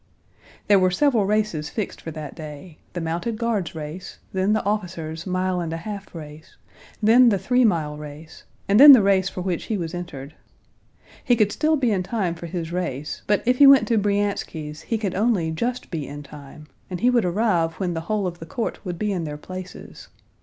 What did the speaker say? There were several races fixed for that day: the Mounted Guards' race, then the officers' mile and a half race, then the three mile race, and then the race for which he was entered. He could still be in time for his race, but if he went to Bryansky's he could only just be in time, and he would arrive when the whole of the court would be in their places.